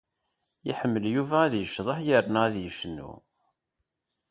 Iḥemmel Yuba ad yecḍeḥ yerna ad yecnu.